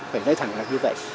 phải nói thẳng là như vậy